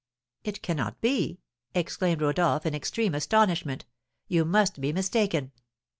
"It cannot be," exclaimed Rodolph, in extreme astonishment; "you must be mistaken."